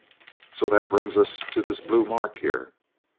"So that brings us to this blue mark here?"